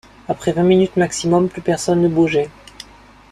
Après vingt minutes maximum, plus personne ne bougeait.